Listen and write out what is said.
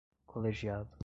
colegiado